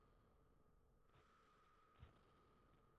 他现在在丹麦手球联赛球队哥本哈根效力。